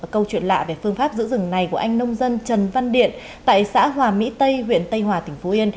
câu chuyện lạ về phương pháp giữ rừng này của anh nông dân trần văn điện tại xã hòa mỹ tây huyện tây hòa tỉnh phú yên